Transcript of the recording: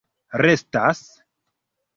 restas